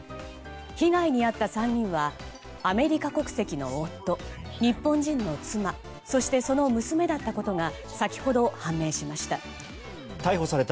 被害に遭った３人はアメリカ国籍の夫日本人の妻そして、その娘だったことが先ほど判明しました。